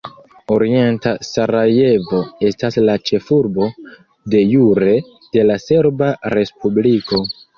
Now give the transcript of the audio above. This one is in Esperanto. Orienta Sarajevo estas la ĉefurbo "de jure" de la Serba Respubliko.